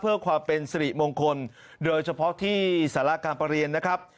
เพื่อความเป็นสิริมงคลโดยเฉพาะที่สาระการประเรียนนะครับ